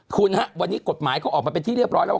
คุณฮะวันนี้กฎหมายเขาออกมาเป็นที่เรียบร้อยแล้วว่า